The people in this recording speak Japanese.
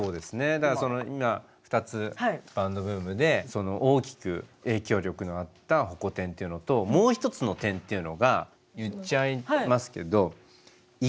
だから今２つバンドブームで大きく影響力のあったホコ天っていうのともう一つの「天」っていうのが言っちゃいますけど「イカ天」。